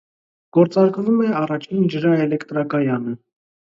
Գործարկվում է առաջին ջրաէլեկտրակայանը։